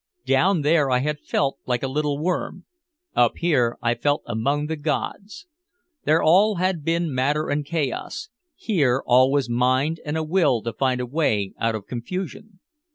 Down there I had felt like a little worm, up here I felt among the gods. There all had been matter and chaos, here all was mind and a will to find a way out of confusion.